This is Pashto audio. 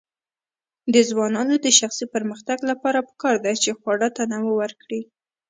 د ځوانانو د شخصي پرمختګ لپاره پکار ده چې خواړه تنوع ورکړي.